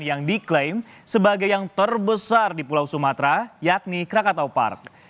yang diklaim sebagai yang terbesar di pulau sumatera yakni krakatau park